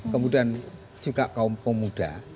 kemudian juga kaum kaum muda